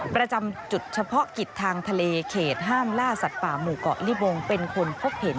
ประจำจุดเฉพาะกิจทางทะเลเขตห้ามล่าสัตว์ป่าหมู่เกาะลิบงเป็นคนพบเห็น